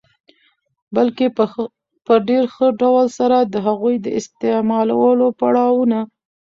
بلکي په ډېر ښه ډول سره د هغوی د استعمالولو پړا وونه